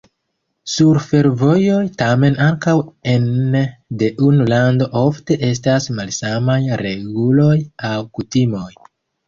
Sur fervojoj tamen ankaŭ ene de unu lando ofte estas malsamaj reguloj aŭ kutimoj.